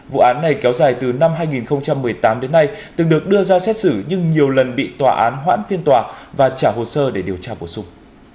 vụ án này kéo dài từ năm hai nghìn một mươi tám đến nay từng được đưa ra xét xử nhưng nhiều lần bị tòa án hoãn phiên tòa và trả hồ sơ để điều tra bổ sung